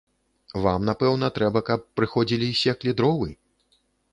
Вам, напэўна, трэба, каб прыходзілі, секлі дровы?